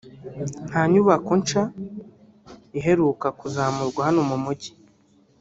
nta nyubako nsha iheruka kuzamurwa hano mu mujyi